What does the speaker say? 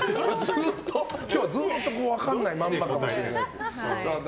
今日はずっと分からないままかもしれないです。